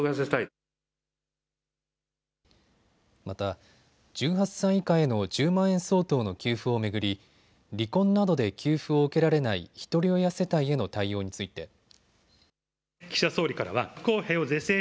また、１８歳以下への１０万円相当の給付を巡り離婚などで給付を受けられないひとり親世帯への対応について。